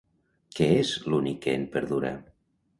Què és l'únic que en perdura?